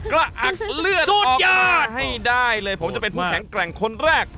กระอักเลือดสูตรญาติให้ได้เลยผมจะเป็นผู้แข็งแกร่งคนแรก